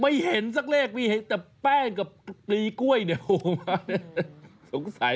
ไม่เห็นสักเลขมีแต่แป้งกับกี๊ก้วยนี่เราสงสัย